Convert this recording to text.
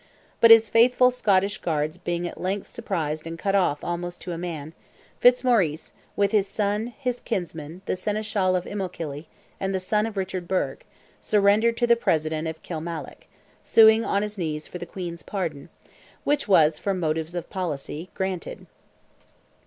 But his faithful Scottish guards being at length surprised and cut off almost to a man, Fitzmaurice, with his son, his kinsman, the Seneschal of Imokilly, and the son of Richard Burke, surrendered to the President at Kilmallock, suing on his knees for the Queen's pardon, which was, from motives of policy, granted.